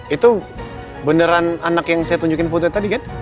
itu beneran anak yang saya tunjukin foto tadi kan